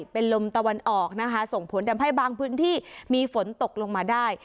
เป็นลมตะวันออกนะคะส่งผลทำให้บางพื้นที่มีฝนตกลงมาได้